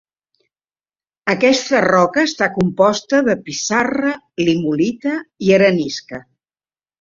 Aquesta roca està composta de pissarra, limolita i arenisca.